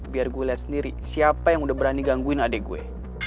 biar gue lihat sendiri siapa yang udah berani gangguin adik gue